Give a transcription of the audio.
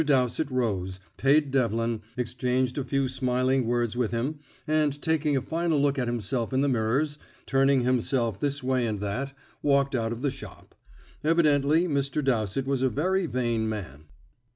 Dowsett rose, paid Devlin, exchanged a few smiling words with him, and taking a final look at himself in the mirrors, turning himself this way and that, walked out of the shop. Evidently Mr. Dowsett was a very vain man.